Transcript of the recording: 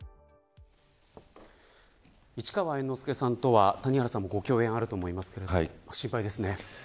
市川猿之助さんとは谷原さんもご共演あると思いますが心配ですね。